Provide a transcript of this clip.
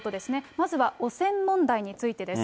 まずは汚染問題についてです。